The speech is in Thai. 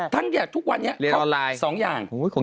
ทั้งอย่างทุกวันนี้เค้า๒อย่างเจอออนไลน์